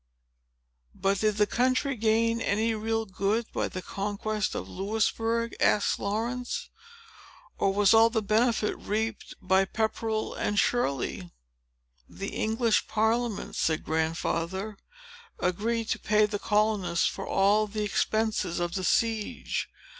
"But, did the country gain any real good by the conquest of Louisbourg?" asked Laurence. "Or was all the benefit reaped by Pepperell and Shirley?" "The English Parliament," said Grandfather, "agreed to pay the colonists for all the expenses of the siege.